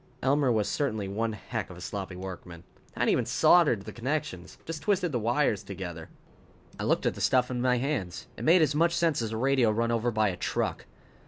Elmer was certainly one heck of a sloppy workman. Hadn't even soldered the connections. Just twisted the wires together. I looked at the stuff in my hands. It made as much sense as a radio run over by a truck.